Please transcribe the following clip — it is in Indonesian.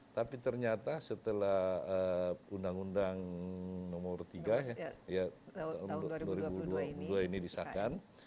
tapi ternyata setelah undang undang nomor tiga tahun dua ribu dua puluh dua ini disahkan